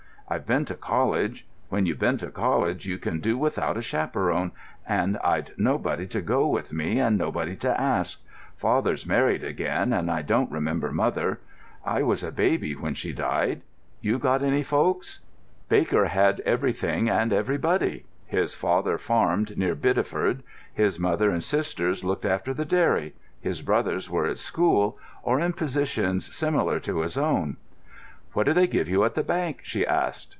I've been to college. When you've been to college you can do without a chaperon, and I'd nobody to go with me and nobody to ask. Father's married again, and I don't remember mother. I was a baby when she died. You got any folks?" Baker had everything and everybody. His father farmed near Bideford; his mother and sisters looked after the dairy; his brothers were at school or in positions similar to his own. "What do they give you at the bank?" she asked.